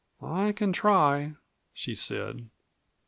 "I can try," she said.